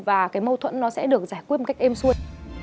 và cái mâu thuẫn nó sẽ được giải quyết một cách êm xuôi